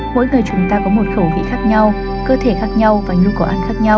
mỗi người chúng ta có một khẩu vị khác nhau cơ thể khác nhau và nhu cầu ăn khác nhau